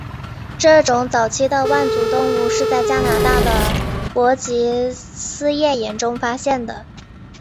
这种早期的腕足动物是在加拿大的伯吉斯页岩中发现的。